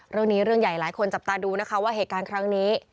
เรื่องนี้เรื่องใหญ่หลายคนจับตาดูนะคะว่าเหตุการณ์ครั้งนี้